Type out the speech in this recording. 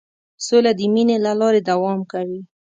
سوله د مینې له لارې دوام کوي.